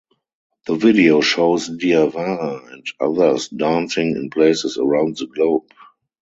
The video shows Diawara and others dancing in places around the globe.